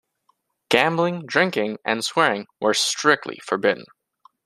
Gambling, drinking and swearing were strictly forbidden.